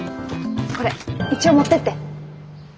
これ一応持ってって。